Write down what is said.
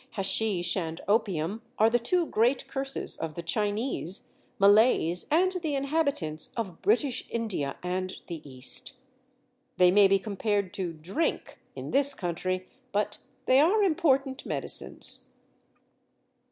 Haschisch and opium are the two great curses of the Chinese, Malays, and the inhabitants of British India and the East. They may be compared to "drink" in this country, but they are important medicines.